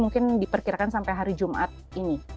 mungkin diperkirakan sampai hari jumat ini